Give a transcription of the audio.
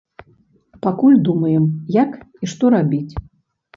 Пакуль думаем, як і што рабіць.